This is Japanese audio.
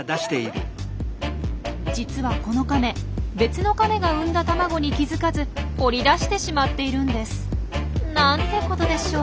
実はこのカメ別のカメが産んだ卵に気付かず掘り出してしまっているんです。なんてことでしょう。